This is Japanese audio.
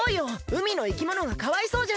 うみのいきものがかわいそうじゃない！